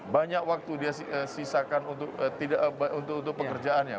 banyak waktu dia sisakan untuk pekerjaannya